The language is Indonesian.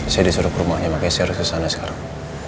saya disuruh ke rumahnya makanya saya harus kesana sekarang